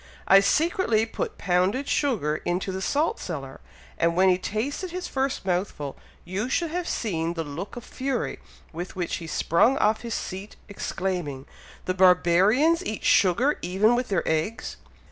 I secretly put pounded sugar into the salt cellar, and when he tasted his first mouthful, you should have seen the look of fury with which he sprung off his seat, exclaiming, 'the barbarians eat sugar even with their eggs!'"